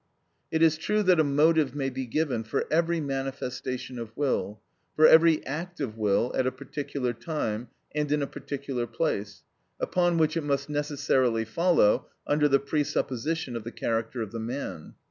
It is true that a motive may be given for every manifestation of will, for every act of will at a particular time and in a particular place, upon which it must necessarily follow, under the presupposition of the character of the man.